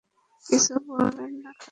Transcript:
কিছু বললেন না কেন?